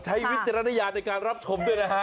วิจารณญาณในการรับชมด้วยนะฮะ